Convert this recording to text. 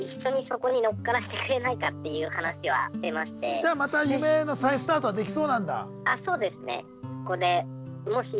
☎で経営始めたのでじゃあまた夢の再スタートはできそうなんだ？